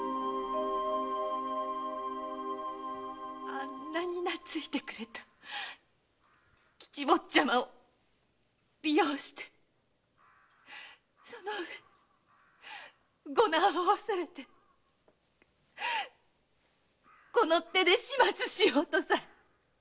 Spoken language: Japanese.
あんなになついてくれた吉坊ちゃまを利用してそのうえ御難を恐れてこの手で始末しようとさえ！